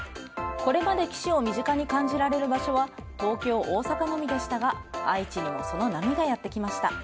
これまで棋士を身近に感じられる場所は東京、大阪のみでしたが愛知にもその波がやってきました。